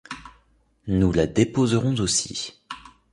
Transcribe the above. Nous la déposerons aussi.